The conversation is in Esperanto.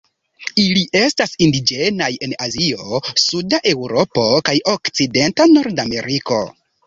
Ili estas indiĝenaj en Azio, suda Eŭropo kaj okcidenta Nordameriko.